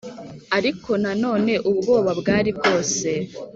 ariko nanone ubwoba bwari bwose.